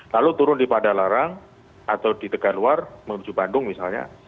lalu turun di padalarang atau di tegal luar menuju bandung misalnya